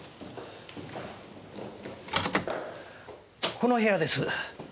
この部屋です。